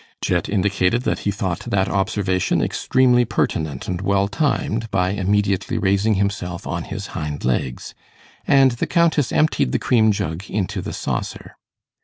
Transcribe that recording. Jet indicated that he thought that observation extremely pertinent and well timed, by immediately raising himself on his hind legs, and the Countess emptied the cream jug into the saucer.